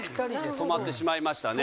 止まってしまいましたね